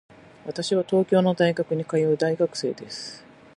私は東京の大学に通う大学生です。